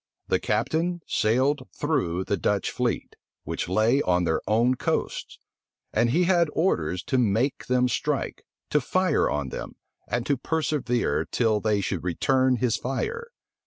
The captain sailed through the Dutch fleet, which lay on their own coasts; and he had orders to make them strike, to fire on them, and to persevere till they should return his fire.